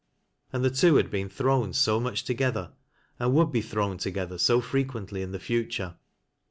And the two had been thrown so much together and would be thrown together so frequently in the future.